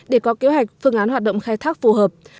để có kế hoạch phương án hoạt động khai thác phù hợp